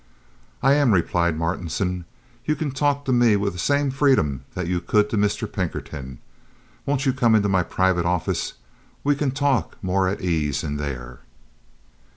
"I am," replied Martinson. "You can talk to me with the same freedom that you could to Mr. Pinkerton. Won't you come into my private office? We can talk more at ease in there."